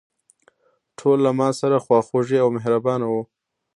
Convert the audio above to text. ټول له ماسره خواخوږي او مهربانه وو.